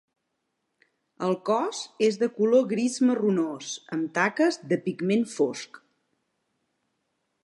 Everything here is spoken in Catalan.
El cos és de color gris-marronós amb taques de pigment fosc.